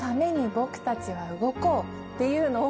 っていうのを。